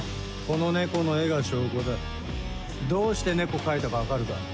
この猫の絵が証拠だどうして猫描いたか分かるか？